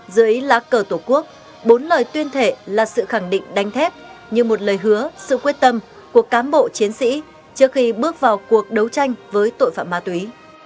dưới lá cờ tổ quốc bốn lời tuyên thệ là sự khẳng định đánh thép như một lời hứa sự quyết tâm của cám bộ chiến sĩ trước khi bước vào cuộc đấu tranh với tội phạm ma túy